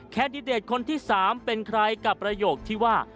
แดดิเดตคนที่๓เป็นใครกับประโยคที่ว่า